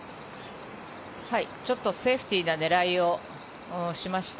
ちょっとセーフティーな狙いをしました。